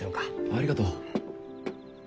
ありがとう。